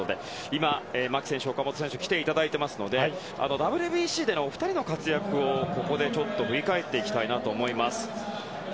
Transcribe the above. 今、牧選手、岡本選手に来ていただいていますのでＷＢＣでの、お二人の活躍をここで、ちょっと振り返っていきたいなと思います。